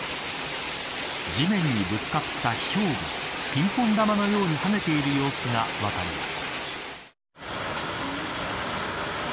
地面にぶつかったひょうがピンポン球のように跳ねている様子が分かります。